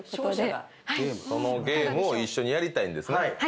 そのゲームを一緒にやりたいんですね。